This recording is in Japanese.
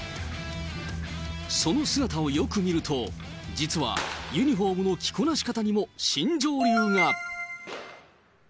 その姿をよく見ると、実はユニホームの着こなし方にも新庄流が。